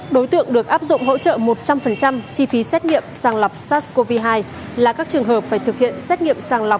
đối tượng được áp dụng hỗ trợ một trăm linh chi phí xét nghiệm sàng lọc sars cov hai là các trường hợp phải thực hiện